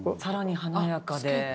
さらに華やかで。